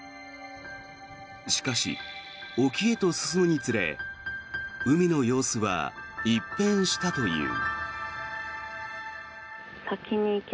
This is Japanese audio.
しかし、沖へと進むにつれ海の様子は一変したという。